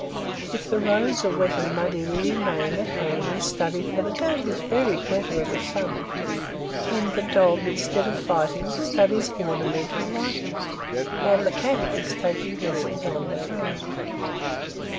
If the roads are wet and muddyWe remain at home and study,—For the Goat is very clever at a sum,—And the Dog, instead of fighting, Studies ornamental writing, While the Cat is taking lessons on the drum.